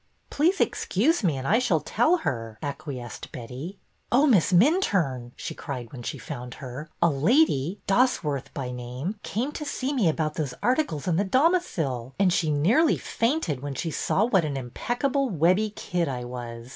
'' Please excuse me and I shall tell her," ac quiesced Betty. '' Oh, Miss Minturne," she cried when she found her, " a lady — Dosworth by name — came to see me about those articles in The Domicile, and she nearly fainted when she saw what an Impeccable Webbie kid I was.